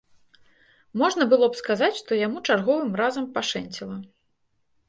Можна было б сказаць, што яму чарговым разам пашэнціла.